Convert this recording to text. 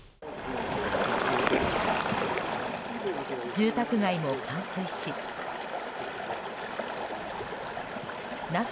住宅街も冠水しなす